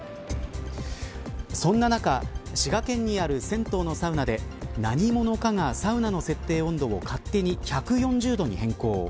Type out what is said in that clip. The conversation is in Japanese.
そんな中滋賀県にある銭湯のサウナで何者かがサウナの設定温度を勝手に１４０度に変更。